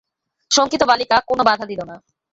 শঙ্কিত বালিকা কোনো বাধা দিল না।